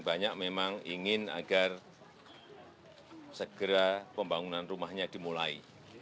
saya ingin agar segera pembangunan rumahnya dimulai